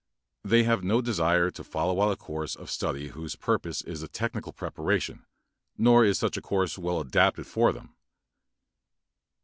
They have no desire to follow out a course of study whose purpose is a technical preparation, nor is such a course well adapted for them.